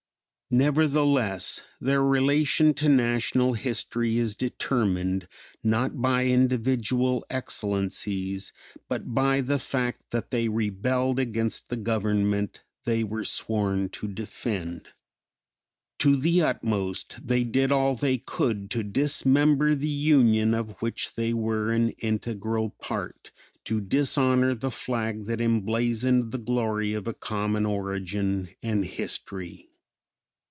Nevertheless their relation to national history is determined, not by individual excellencies, but by the fact that they rebelled against the Government they were sworn to defend. To the utmost they did all they could to dismember the Union of which they were an integral part, to dishonor the flag that emblazoned the glory of a common origin and history.